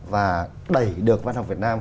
và đẩy được văn học việt nam